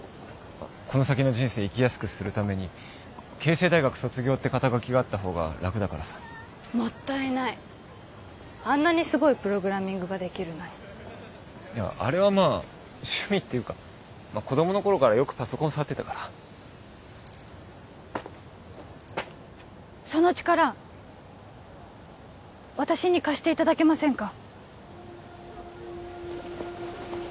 この先の人生生きやすくするために慶成大学卒業って肩書があったほうが楽だからさもったいないあんなにすごいプログラミングができるのにいやあれはまあ趣味っていうか子どもの頃からよくパソコン触ってたからその力私に貸していただけませんか？